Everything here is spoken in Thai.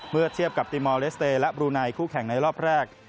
เมื่อเทียบกับติมอลเลสเตย์และบรูไนคู่แข่งในรอบแรก